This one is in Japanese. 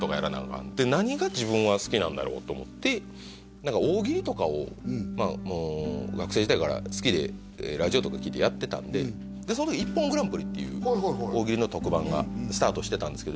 かん何が自分は好きなんだろうと思って何か大喜利とかを学生時代から好きでラジオとか聴いてやってたんでその時「ＩＰＰＯＮグランプリ」っていう大喜利の特番がスタートしてたんです